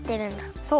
そう。